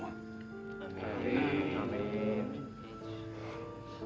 dan saya terhini hini sama